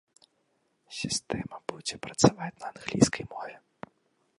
Сістэма будзе працаваць на англійскай мове.